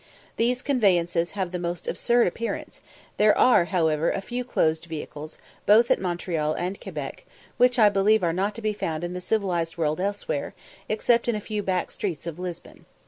These conveyances have the most absurd appearance; there are, however, a few closed vehicles, both at Montreal and Quebec, which I believe are not to be found in the civilized world elsewhere, except in a few back streets of Lisbon.